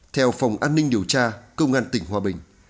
theo phòng an ninh điều tra công an tỉnh hòa bình